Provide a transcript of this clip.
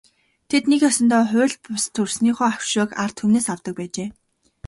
Тэд нэг ёсондоо хууль бус төрснийхөө өшөөг ард түмнээс авдаг байжээ.